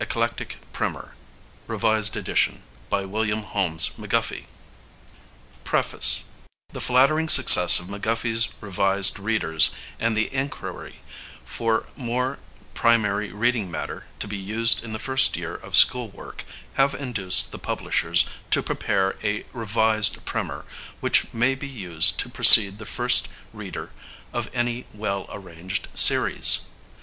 Copyright, 1896, By American Book Company. Copyright, 1909, By Henry H. Vail. EP 179 Preface The flattering success of McGuffey's Revised Readers, and the inquiry for more primary reading matter to be used in the first year of school work, have induced the Publishers to prepare a REVISED PRIMER, which may be used to precede the First Reader of any well arranged series.